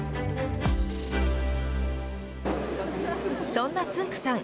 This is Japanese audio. そんなつんく♂さん